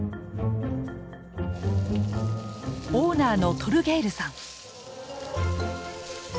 オーナーのトルゲイルさん。